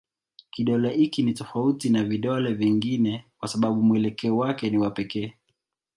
Kidole hiki ni tofauti na vidole vingine kwa sababu mwelekeo wake ni wa pekee.